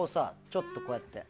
ちょっとこうやって。